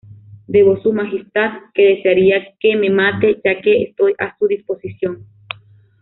Debo su majestad que desearía que me mate ya que estoy a su disposición.